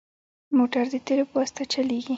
موټر د تیلو په واسطه چلېږي.